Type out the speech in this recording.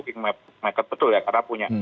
kingmaker betul ya karena punya